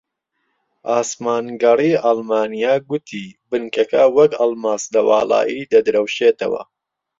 ئاسمانگەڕی ئەڵمانیا گوتی بنکەکە وەک ئەڵماس لە واڵایی دەدرەوشێتەوە